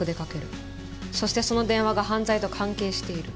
そしてその電話が犯罪と関係している。